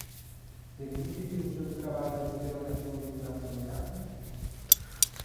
Permítelle o seu traballo coller vacacións durante o verán?